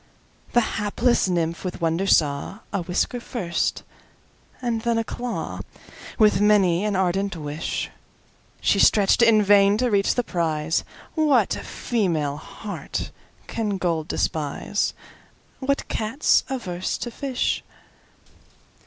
The hapless Nymph with wonder saw:A whisker first, and then a clawWith many an ardent wishShe stretch'd, in vain, to reach the prize—What female heart can gold despise? What Cat's averse to fish?